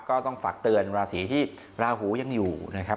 ก็ต้องฝากเตือนราศีที่ราหูยังอยู่นะครับ